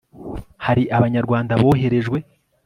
hari abanyarwanda boherejwe